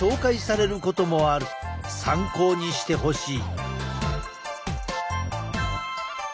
参考にしてほしい。